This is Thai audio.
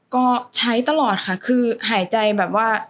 ก็ใช้ตลอดค่ะคือหายใจแบบว่า